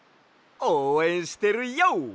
おうえんしてるＹＯ！